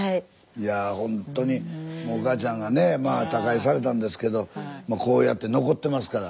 いやほんとにお母ちゃんがね他界されたんですけどこうやって残ってますから。